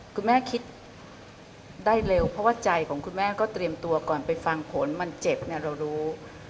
คุณแม่คิดได้เร็วเพราะว่าใจของคุณแม่ก็เตรียมตัวก่อนไปฟังผลมันเจ็บเนี่ยเรารู้